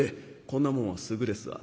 こんなもんはすぐですわ。